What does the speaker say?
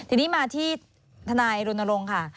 ทีนี้มาที่ทนายรณรงค์ค่ะ